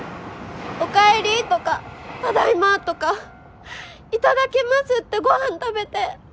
おかえりとかただいまとかいただきますってご飯食べて。